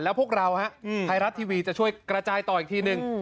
แล้วพวกเราไทยรัฐทีวีจะช่วยกระจายต่ออีกทีหนึ่ง